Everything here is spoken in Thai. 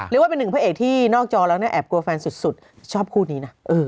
เรียกว่าเป็นหนึ่งพระเอกที่นอกจอแล้วเนี่ยแอบกลัวแฟนสุดชอบคู่นี้นะ